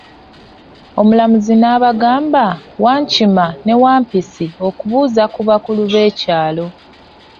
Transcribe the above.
Omulamuzi n'abagamba ,Wankima ne Wampisi okubuuza ku bakulu be kyalo.